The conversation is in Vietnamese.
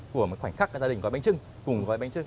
của một khoảnh khắc cái gia đình gói bánh trưng cùng gói bánh trưng